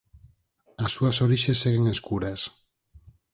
As súas orixes seguen escuras.